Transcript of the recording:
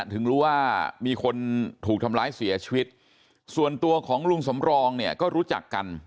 ถึงรู้ว่ามีคนถูกทำร้ายเสียชีวิตส่วนตัวของลุงสำรองเนี่ยก็รู้จักกัน